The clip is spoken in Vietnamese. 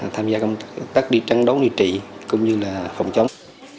tham gia công tác đi trắng đấu nguy trị cũng như là phòng chống